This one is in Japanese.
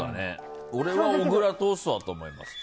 俺は小倉トーストだと思います。